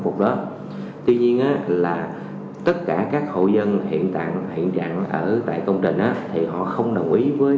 phục đó tuy nhiên là tất cả các hậu dân hiện trạng ở tại công trình thì họ không đồng ý với